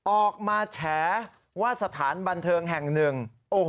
ออกมาแฉว่าสถานบันเทิงแห่งหนึ่ง